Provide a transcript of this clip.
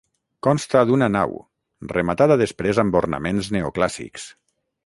Consta d'una nau, rematada després amb ornaments neoclàssics.